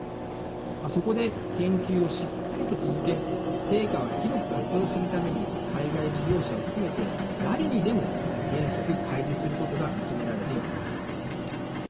そこで研究をしっかりと続け成果は広く活用するために海外事業者を含めて誰にでも原則開示することが求められているのです。